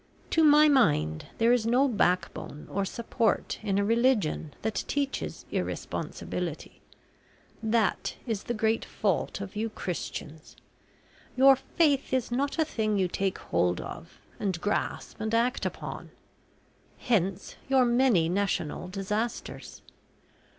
To my mind there is no backbone or support in a religion that teaches irresponsibility. That is the great fault of you Christians. Your faith is not a thing you take hold of, and grasp and act upon. Hence your many national disasters.